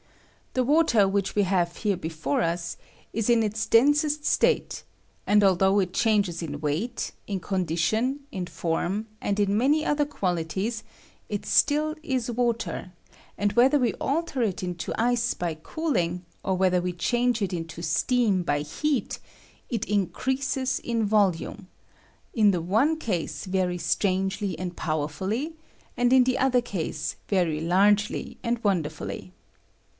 The water which we have here before I ^^K cast 70 WATER CHANGED INTO ICE. OB is in its densest state ;{") and, altbougli it ohaugea in weiglit, in condition, in form, and in many other qualities, it still is water; and whether we alter it into ice by cooling, or whether we change it into steam by heat, it increases in volume — in the one case very strangely and powerfully, and in the other case very largely and wonderfully.